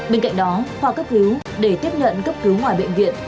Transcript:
bên cạnh đó khoa cấp cứu để tiếp nhận cấp cứu ngoài bệnh viện